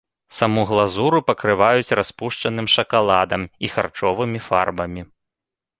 Саму глазуру пакрываюць распушчаным шакаладам і харчовымі фарбамі.